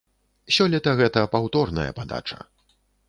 Сёлета гэта паўторная падача.